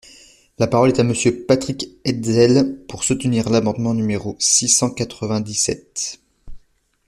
La parole est à Monsieur Patrick Hetzel, pour soutenir l’amendement numéro six cent quatre-vingt-dix-sept.